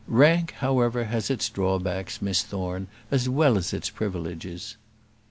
Rank, however, has its drawbacks, Miss Thorne, as well as its privileges."